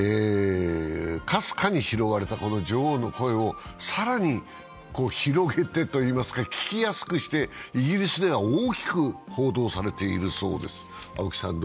かすかに拾われた、この女王の声を更に広げてといいますか聞きやすくして、イギリスでは大きく報道されているそうです。